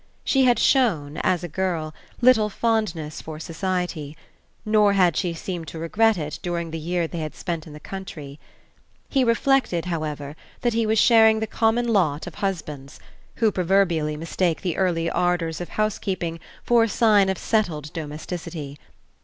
She had shown, as a girl, little fondness for society, nor had she seemed to regret it during the year they had spent in the country. He reflected, however, that he was sharing the common lot of husbands, who proverbially mistake the early ardors of housekeeping for a sign of settled domesticity.